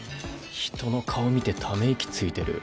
人の顔見てため息ついてる。